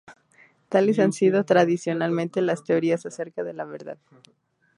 Tales han sido tradicionalmente las teorías acerca de la verdad.